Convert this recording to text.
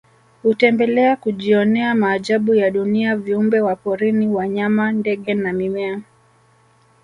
Hutembelea kujionea maajabu ya dunia viumbe wa porini wanyama ndege na mimea